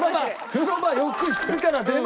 風呂場浴室から出ます。